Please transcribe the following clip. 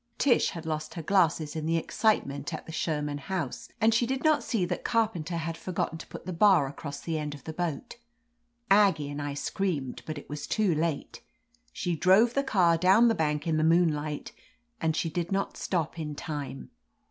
Tish had lost her glasses in the excitement at the Sherman House, and she did not see that Carpenter had forgotten to put the bar across the end of the boat. Aggie and I screamed, but it was too late : she drove the car down the bank in the moonlight and she did not stop in time.